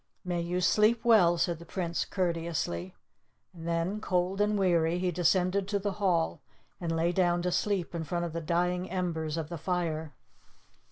"May you sleep well," said the Prince courteously. Then, cold and weary, he descended to the hall, and lay down to sleep in front of the dying embers of the fire.